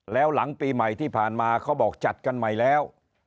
แล้วหลังปีใหม่ที่ผ่านมาเขาบอกจัดกันใหม่แล้ว